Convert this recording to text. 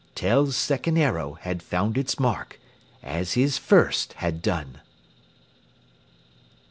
Tell's second arrow had found its mark, as his first had done.